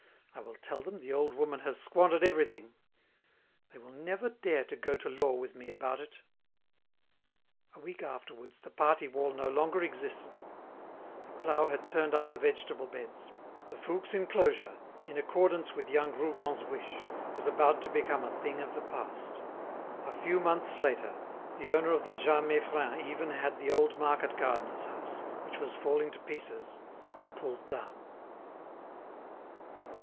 I will tell them the old woman has squandered everything. They will never dare to go to law with me about it." A week afterwards, the party wall no longer existed: a plough had turned up the vegetable beds; the Fouques' enclosure, in accordance with young Rougon's wish, was about to become a thing of the past. A few months later, the owner of the Jas Meiffren even had the old market gardener's house, which was falling to pieces, pulled down.